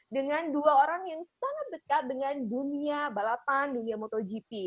dengan dua orang yang sangat dekat dengan dunia balapan dunia motogp